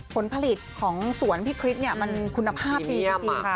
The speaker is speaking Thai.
ผลผลิตของสวนพี่คริสมันคุณภาพดีจริง